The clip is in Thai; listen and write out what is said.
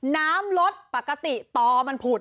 น้ำลดปกติต่อมันผุด